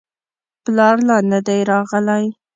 پلار لا نه دی راغلی.